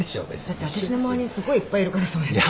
だって私の周りにすごいいっぱいいるからそういう人。